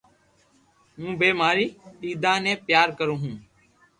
ھون بي ماري ئيتا ني پيار ڪرو ھون